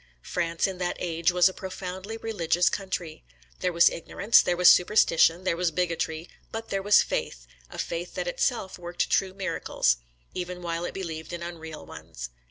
France in that age was a profoundly religious country. There was ignorance, there was superstition there was bigotry; but there was Faith a Faith that itself worked true miracles, even while it believed in unreal ones.